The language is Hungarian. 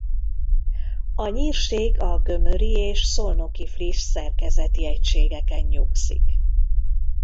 A Nyírség a Gömöri és Szolnoki–flis szerkezeti egységeken nyugszik.